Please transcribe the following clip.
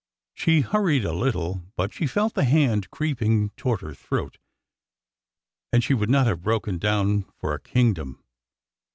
She hurried a little, for she felt the hand creeping 404 ORDER NO. 11 toward her throat, and she would not have broken down for a kingdom.